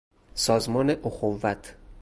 سازمان اخوت